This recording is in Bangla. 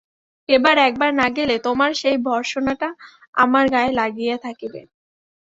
এবার একবার না গেলে তোমার সেই ভর্ৎসনাটা আমার গায়ে লাগিয়া থাকিবে।